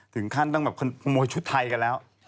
ถึงขั้นต้องแบบมวยชุดไทยกันแล้ว